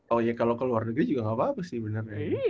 oh iya kalo ke luar negeri juga gak bagus sih bener ya